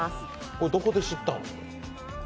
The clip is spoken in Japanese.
これは、どこで知ったん？